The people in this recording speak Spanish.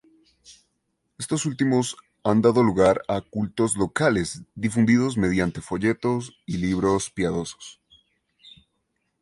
Estos últimos han dado lugar a cultos locales difundidos mediante folletos y libros piadosos.